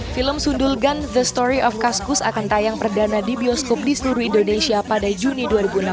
film sundul gun the story of cascus akan tayang perdana di bioskop di seluruh indonesia pada juni dua ribu delapan belas